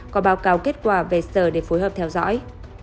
có báo cáo kết quả về sở để phối hợp theo dõi